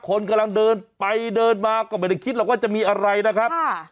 คนกำลังเดินไปเดินมาก็ไม่ได้คิดหรอกว่าจะมีอะไรนะครับ